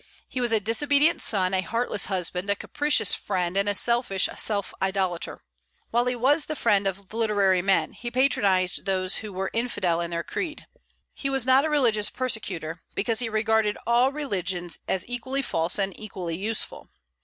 He was a disobedient son, a heartless husband, a capricious friend, and a selfish self idolater. While he was the friend of literary men, he patronized those who were infidel in their creed. He was not a religious persecutor, because he regarded all religions as equally false and equally useful.